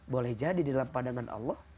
boleh jadi dalam pandangan allah